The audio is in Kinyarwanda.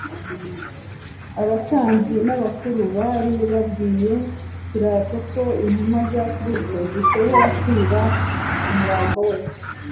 Abatambyi n'abakuru bari babwiye Pilato ko intunwa za Kristo zishobora kwiba umurambo we